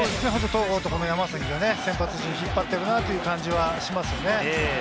戸郷と山崎が先発陣を引っ張っているなという感じはしますね。